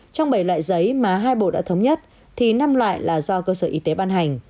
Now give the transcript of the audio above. trong bảy loại giấy mà hai bộ đã thống nhất thì năm loại là do cơ sở y tế ban hành